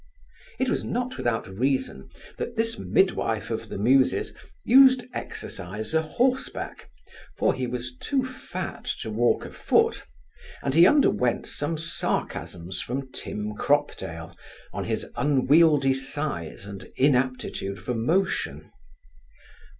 It was not without reason, that this midwife of the Muses used exercise a horseback, for he was too fat to walk a foot, and he underwent some sarcasms from Tim Cropdale, on his unwieldy size and inaptitude for motion.